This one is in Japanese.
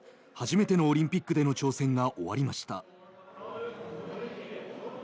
初めてのオリンピックでの挑戦が終わりました。